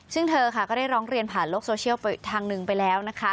ซึ่งเธอก็ได้ร้องเรียนผ่านโลกโซเชียลไปทางหนึ่งไปแล้วนะคะ